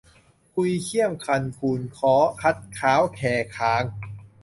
คุยเคี่ยมคันคูนค้อ คัดค้าวแคคาง